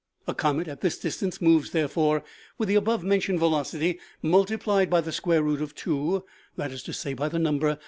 A comet at this distance moves, there fore, with the above mentioned velocity, multiplied by the square root of two, that is to say by the number 1.